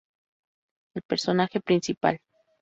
El personaje principal.